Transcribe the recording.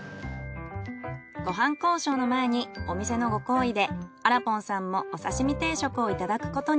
ご飯交渉の前にお店のご厚意であらぽんさんもお刺身定食をいただくことに。